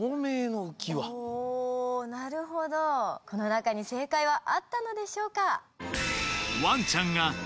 なるほどこの中に正解はあったのでしょうか？